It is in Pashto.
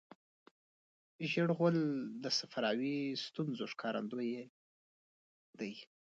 ژېړ غول د صفراوي ستونزو ښکارندوی دی.